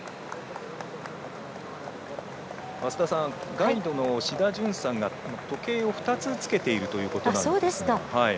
ガイドの志田淳さんが時計を２つつけているということで。